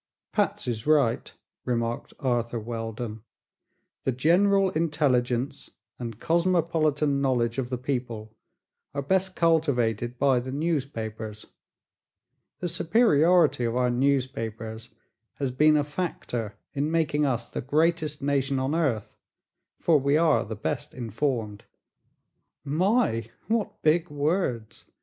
"Patsy's right," remarked Arthur Weldon. "The general intelligence and cosmopolitan knowledge of the people are best cultivated by the newspapers. The superiority of our newspapers has been a factor in making us the greatest nation on earth, for we are the best informed." "My, what big words!"